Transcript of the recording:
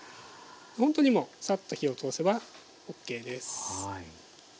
ほんとにもうサッと火を通せばＯＫです。